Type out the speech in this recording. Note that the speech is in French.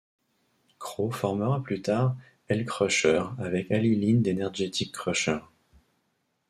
Crow formera plus tard Hellkrusher, avec Ali Lynn d'Energetic Krusher.